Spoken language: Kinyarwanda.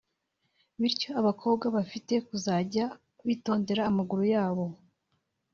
Bityo abakobwa bafite kuzanjya bitondera amaguru yabo